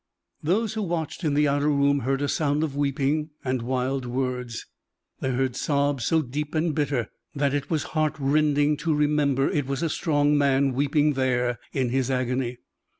Those who watched in the outer room heard a sound of weeping and wild words: they heard sobs so deep and bitter, that it was heartrending to remember it was a strong man weeping there in his agony.